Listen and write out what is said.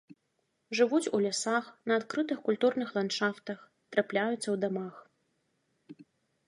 Жывуць у лясах, на адкрытых культурных ландшафтах, трапляюцца ў дамах.